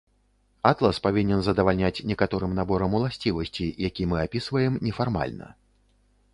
Атлас павінен задавальняць некаторым наборам уласцівасцей, які мы апісваем нефармальна.